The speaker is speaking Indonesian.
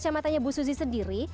saya mau tanya bu suzy sendiri